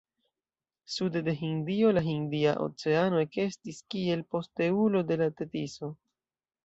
Sude de Hindio la Hindia Oceano ekestis kiel posteulo de la Tetiso.